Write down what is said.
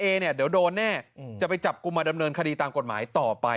เนี่ยเดี๋ยวโดนแน่จะไปจับกลุ่มมาดำเนินคดีตามกฎหมายต่อไป